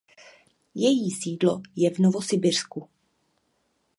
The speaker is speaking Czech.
Její sídlo je v Novosibirsku.